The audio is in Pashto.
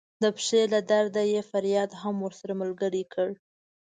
د پښې له درده یې فریاد هم ورسره ملګری کړ.